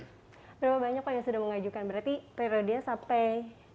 jadi apa yang sudah mengajukan berarti periodenya sampai